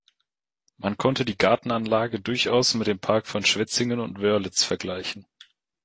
Man konnte die Gartenanlage durchaus mit dem Park von Schwetzingen und Wörlitz vergleichen.